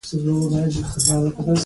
چې جنګ سوړ شو موذي تود شو.